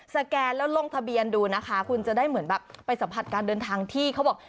แกนแล้วลงทะเบียนดูนะคะคุณจะได้เหมือนแบบไปสัมผัสการเดินทางที่เขาบอก